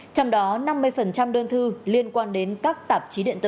trong đó năm mươi đơn thư liên quan đến các tạp chí điện tử